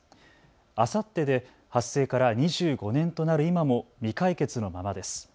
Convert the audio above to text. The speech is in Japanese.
あさってで発生から２５年となる今も未解決のままです。